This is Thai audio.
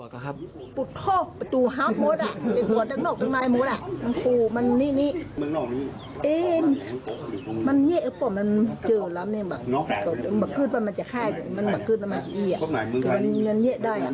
ก็รู้เลย